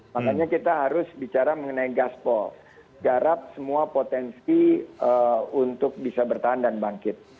makanya kita harus bicara mengenai gaspol garap semua potensi untuk bisa bertahan dan bangkit